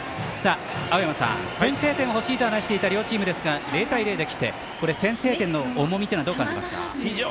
青山さん、先制点がほしいと話していた両チームですが０対０できて先制点の重みというのはどう感じますか。